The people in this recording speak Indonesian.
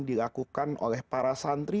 dilakukan oleh para santri